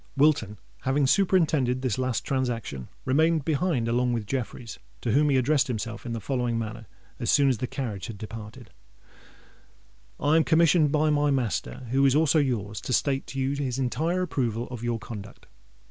Wilton, having superintended this last transaction, remained behind along with Jeffreys, to whom he addressed himself in the following manner, as soon as the carriage had departed:— "I am commissioned by my master, who is also your's, to state to you his entire approval of your conduct.